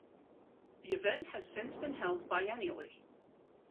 The event has since been held biennially.